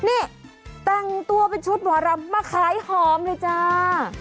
นี่แต่งตัวเป็นชุดหมอรำมาขายหอมเลยจ้า